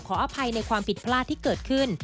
อภัยในความผิดพลาดที่เกิดขึ้น